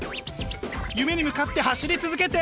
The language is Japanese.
夢に向かって走り続けて！